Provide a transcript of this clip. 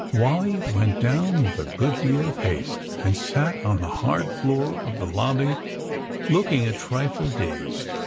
Wally went down with a good deal of haste, and sat on the hard floor of the lobby, looking a trifle dazed.